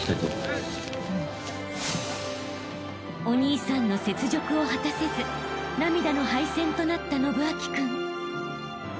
［お兄さんの雪辱を果たせず涙の敗戦となった伸光君］